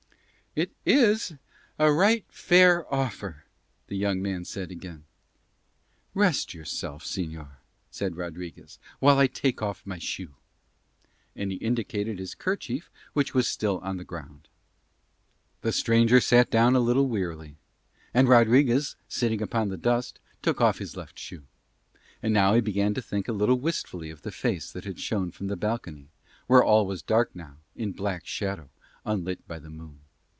"It is a right fair offer," the young man said again. "Rest yourself, señor," said Rodriguez, "while I take off my shoe," and he indicated his kerchief which was still on the ground. The stranger sat down a little wearily, and Rodriguez sitting upon the dust took off his left shoe. And now he began to think a little wistfully of the face that had shone from that balcony, where all was dark now in black shadow unlit by the moon.